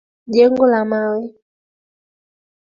Jengo la mawe.